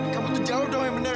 kamu itu jawab doang yang benar